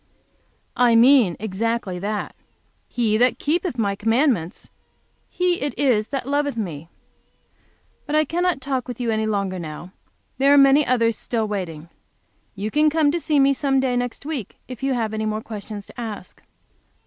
"I mean exactly that. 'He that keepeth my commandments he it is that loveth me.' But I cannot talk with you any longer now. There are many others still waiting. You can come to see me some day next week, if you have any more questions to ask."